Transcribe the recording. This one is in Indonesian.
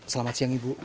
selamat siang ibu